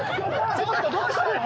ちょっとどうしたの？